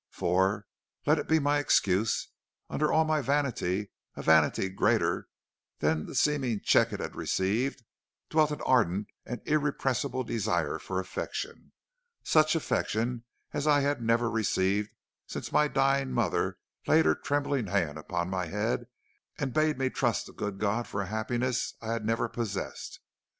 For, let it be my excuse, under all my vanity, a vanity greater for the seeming check it had received, dwelt an ardent and irrepressible desire for affection, such affection as I had never received since my dying mother laid her trembling hand upon my head and bade me trust the good God for a happiness I had never possessed.